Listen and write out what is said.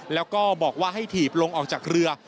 แล้วก็บอกว่าให้ถีบลงออกจากเรือ